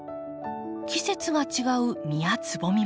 季節が違う実やつぼみも。